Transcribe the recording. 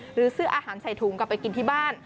หรือซื้ออาหารใส่ถุงกลับไปกินที่บ้าน